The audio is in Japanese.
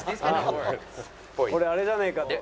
「これあれじゃねえかと」